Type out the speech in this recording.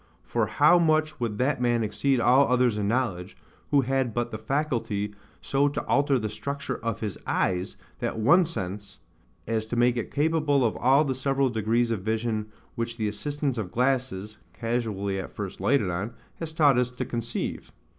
For how much would that man exceed all others in knowledge, who had but the faculty so to alter the structure of his eyes, that one sense, as to make it capable of all the several degrees of vision which the assistance of glasses (casually at first lighted on) has taught us to conceive?